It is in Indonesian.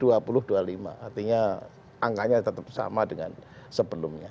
artinya angkanya tetap sama dengan sebelumnya